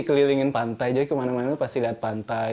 kelilingin pantai jadi kemana mana pasti lihat pantai